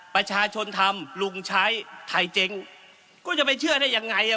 ประชาชนทำลุงใช้ไทยเจ๊งก็จะไปเชื่อได้ยังไงอ่ะ